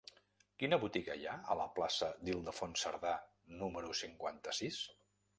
Quina botiga hi ha a la plaça d'Ildefons Cerdà número cinquanta-sis?